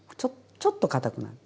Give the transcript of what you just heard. ちょっとかたくなる。